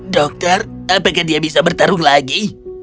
dokter apakah dia bisa bertarung lagi